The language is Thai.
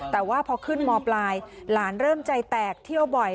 แต่ว่าพอขึ้นมปลายหลานเริ่มใจแตกเที่ยวบ่อย